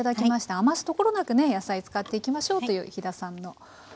余すところなくね野菜使っていきましょうという飛田さんのお考えです。